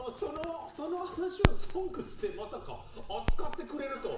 その話を「ＳＯＮＧＳ」でまさか扱ってくれるとは。